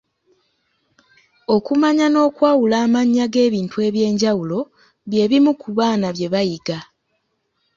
Okumanya n’okwawula amannya g’ebintu eby’enjawulo bye bimu ku baana bye bayiga.